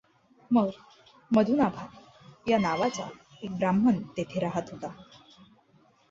मग मधुनाभा या नावाचा एक ब्राह्मण तेथे राहात होता.